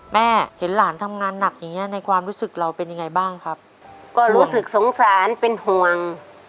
แม่เห็นหลานทำงานหนักอย่างเงี้ในความรู้สึกเราเป็นยังไงบ้างครับก็รู้สึกสงสารเป็นห่วง